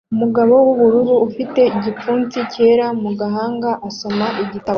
Umugabo wubururu ufite igipfunsi cyera mu gahanga asoma igitabo